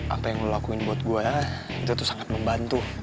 apa yang gue lakuin buat gue itu tuh sangat membantu